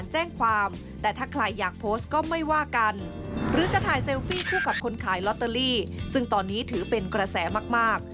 หรือจะถ่ายเซลฟี่คู่กับคนขายลอตเตอรี่ซึ่งตอนนี้ถือเป็นกระแสมาก